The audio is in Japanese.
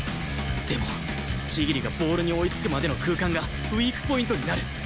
でも千切がボールに追いつくまでの空間がウィークポイントになる